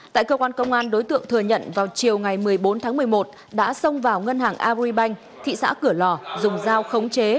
tại cơ quan công an đối tượng thừa nhận vào chiều ngày một mươi bốn tháng một mươi một đã xông vào ngân hàng agribank thị xã cửa lò dùng dao khống chế